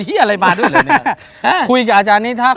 เสียงกล้องกลางวานนะฮะ